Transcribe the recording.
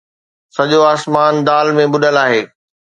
سڄو آسمان دال ۾ ٻڏل آهي